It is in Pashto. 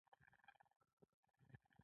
نوښت تل ځیرک انسانان رامنځته کوي.